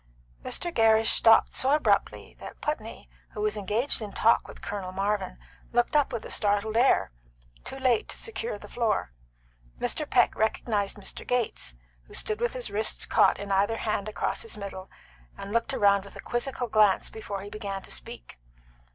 Mr. Gerrish stopped so abruptly that Putney, who was engaged in talk with Colonel Marvin, looked up with a startled air, too late to secure the floor. Mr. Peck recognised Mr. Gates, who stood with his wrists caught in either hand across his middle, and looked round with a quizzical glance before he began to speak.